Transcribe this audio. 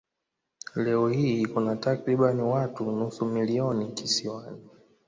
Leo hii kuna takriban watu nusu milioni kisiwani.